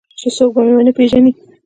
چې څوک به مې ونه پېژني.